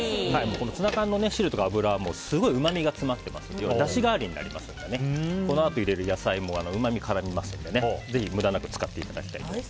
ツナ缶の汁とか油はすごいうまみが詰まっていますのでだし代わりになりますのでこのあと入れる野菜もうまみが絡みますのでぜひ無駄なく使っていただいて。